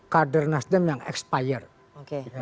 kader nasdem yang expired